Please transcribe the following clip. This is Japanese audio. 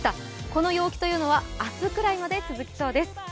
この陽気は明日ぐらいまで続きそうです。